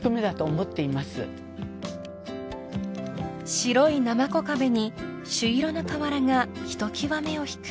［白いなまこ壁に朱色の瓦がひときわ目を引く